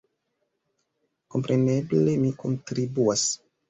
Kompreneble mi kontribuas.